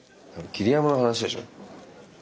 桐山の話でしょ？